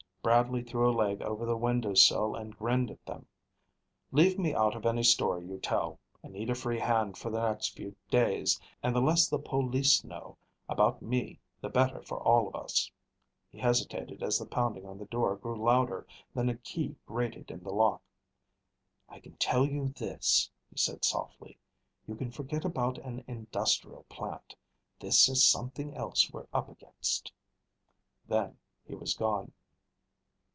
Bradley threw a leg over the window sill and grinned at them. "Leave me out of any story you tell. I need a free hand for the next few days. And the less the police know about me the better for all of us." He hesitated as the pounding on the door grew louder, then a key grated in the lock. "I can tell you this," he said softly. "You can forget about an industrial plant. This is something else we're up against." Then he was gone.